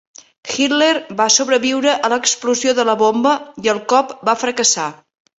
Hitler va sobreviure a l'explosió de la bomba i el cop va fracassar.